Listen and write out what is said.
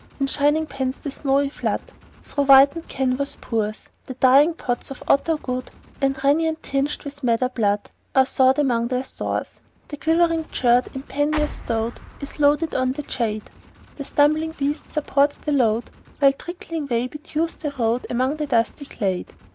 In shining pans the snowy flood Through whitened canvas pours; The dyeing pots of otter good And rennet tinged with madder blood Are sought among their stores. The quivering curd, in panniers stowed, Is loaded on the jade, The stumbling beast supports the load, While trickling whey bedews the road Along the dusty glade.